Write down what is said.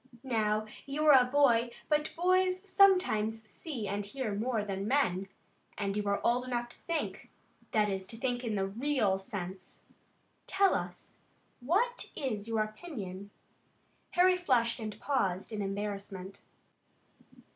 Now you are a boy, but boys sometimes see and hear more than men, and you are old enough to think; that is, to think in the real sense. Tell us, what is your own opinion?" Harry flushed, and paused in embarrassment.